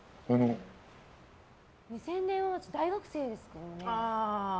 ２０００年は大学生でしたね。